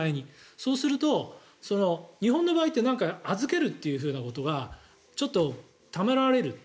そうすると、日本の場合って預けるということがちょっとためらわれる。